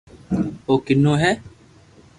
او ڪنو ھي